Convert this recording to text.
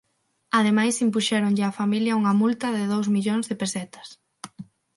Ademais impuxéronlle á familia unha multa de dous millóns de pesetas.